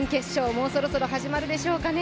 もうそろそろ始まるでしょうかね。